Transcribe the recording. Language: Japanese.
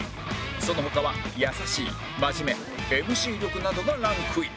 その他は「優しい」「真面目」「ＭＣ 力」などがランクイン